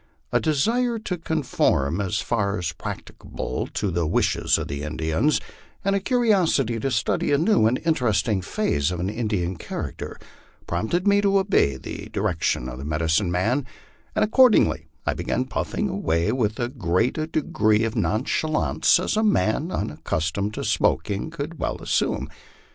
A desire to conform as far as practicable to the wishes of the Indians, and a curiosity to study a new and interesting phase of the Indian character, prompted me to obey the direction of the medicine man, and I accordingly began puffing away with as great a degree of noncha lance as a man unaccustomed to smoking could well assume.